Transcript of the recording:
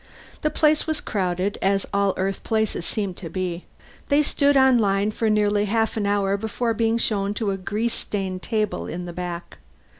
The place was crowded, as all Earth places seemed to be. They stood on line for nearly half an hour before being shown to a grease stained table in the back.